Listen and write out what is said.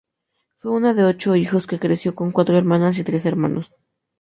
Fue una de ocho hijos que creció con cuatro hermanas y tres hermanos.